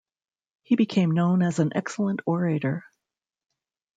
He became known as an excellent orator.